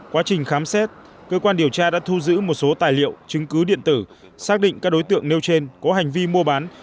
quá trình khám xét cơ quan điều tra đã thu giữ một số tài liệu chứng cứ điện tử xác định các đối tượng nêu trên có hành vi mua bán